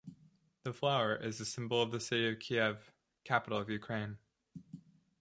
The flower is the symbol of the city of Kiev, capital of Ukraine.